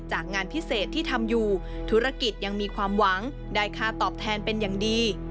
งานพิเศษที่ทำอยู่ธุรกิจยังมีความหวังได้ค่าตอบแทนเป็นอย่างดี